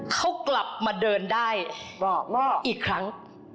เขากลับมาเดินได้อีกครั้ง